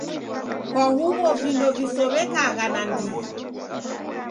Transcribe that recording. Kwa huw'o vindo visow'ekagha nandighi.